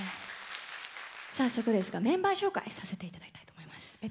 早速ですがメンバー紹介させていただきたいと思います。